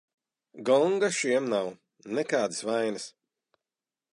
Gonga šiem nav, nekādas vainas.